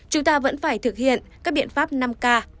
chúng ta vẫn phải thực hiện các biện pháp năm k